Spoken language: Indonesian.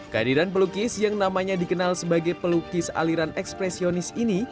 kehadiran pelukis yang namanya dikenal sebagai pelukis aliran ekspresionis ini